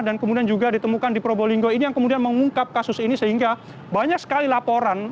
di probolinggo ini yang kemudian mengungkap kasus ini sehingga banyak sekali laporan